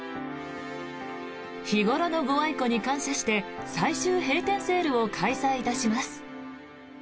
日頃のご愛顧に感謝して最終閉店セールを開催いたします。